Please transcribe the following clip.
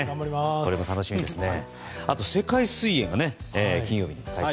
これも楽しみですね。